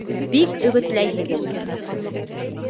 Бик өгөтләйһегеҙ...